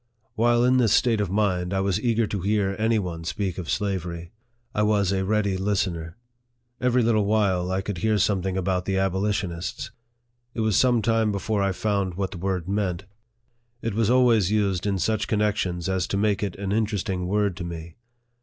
While in this state of mind, I was eager to hear any one speak of slavery. I was a ready listener. Every little while, I could hear something about the abolitionists. It was some time before I found what the word meant. It was always used in such connections as to make it an interesting word to me.